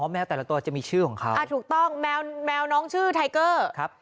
แมวแต่ละตัวจะมีชื่อของเขาอ่าถูกต้องแมวแมวน้องชื่อไทเกอร์ครับ